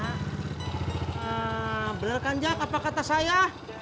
eee beler kan jak apa kata saya